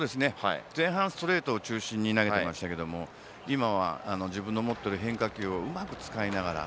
前半、ストレートを中心に投げていましたけど今は自分の持っている変化球をうまく使いながら